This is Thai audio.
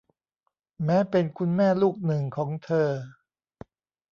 แม้เป็นคุณแม่ลูกหนึ่งของเธอ